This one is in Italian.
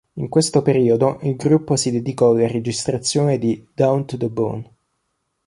In questo periodo il gruppo si dedicò alla registrazione di "Down to the Bone".